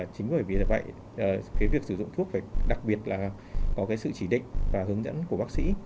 chính bởi vì là vậy cái việc sử dụng thuốc phải đặc biệt là có cái sự chỉ định và hướng dẫn của bác sĩ